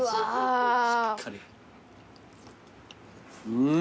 うん！